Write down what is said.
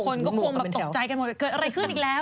ทุกคนก็คงโปรดใจกันแบบเกิดอะไรขึ้นอีกแล้ว